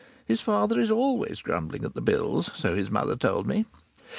His father is always grumbling at the bills, so his mother told me.